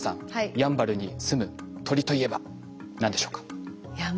やんばるにすむ鳥といえば何でしょうか？